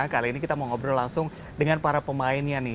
kali ini kita mau ngobrol langsung dengan para pemainnya nih